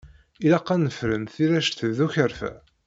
Ilaq ad nefren tirect d ukerfa.